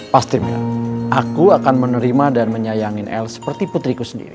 pasti kamu pactu akan menerima dan menyayang insin el seperti putriku sendiri